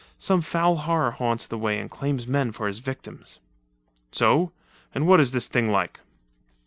Some foul horror haunts the way and claims men for his victims." "So? And what is this thing like?"